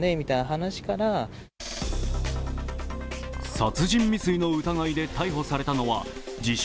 殺人未遂の疑いで逮捕されたのは自称